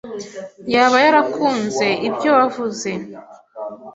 yaba yarakunze ibyo wavuze.